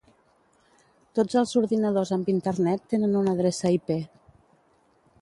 Tots els ordinadors amb Internet tenen una adreça IP.